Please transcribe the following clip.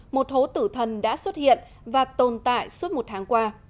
một hố tử thần đã xuất hiện và tồn tại suốt một tháng qua